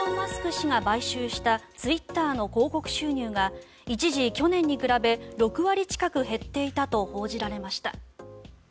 氏が買収したツイッターの広告収入が一時、去年に比べ６割近く減っていたと報じられました。